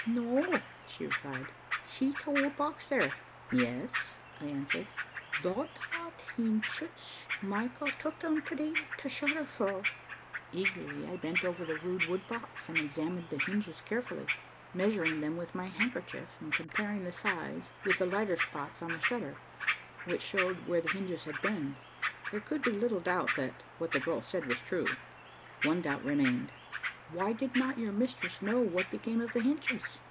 "Noa," she replied. "See t'wood box there?" "Yes," I answered. "Thot had t'hinges; Michael took them t'day t'shutter fell." Eagerly I bent over the rude wood box and examined the hinges carefully, measuring them with my handkerchief, and comparing the size with the lighter spots on the shutter, which showed where the hinges had been. There could be little doubt that what the girl said was true. One doubt remained. "Why did not your mistress know what became of the hinges?"